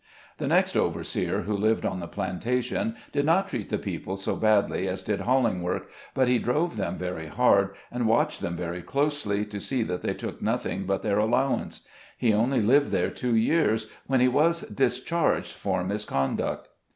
The next overseer who lived on the plantation did not treat the people so badly as did Hallingwork, but he drove them very hard, and watched them very closely, to see that they took nothing but their 176 SKETCHES OF SLAVE LIFE. allowance. He only lived there two years, when he was discharged for misconduct.